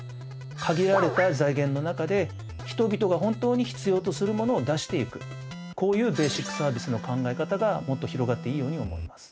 限られた財源の中で人々が本当に必要とするものを出していくこういうベーシックサービスの考え方がもっと広がっていいように思います。